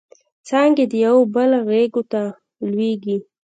څانګې د یوبل غیږو ته لویږي